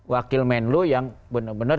wakil men lu yang benar benar